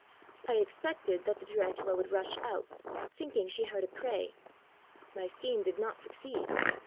I expected that the Tarantula would rush out, thinking she heard a prey. My scheme did not succeed.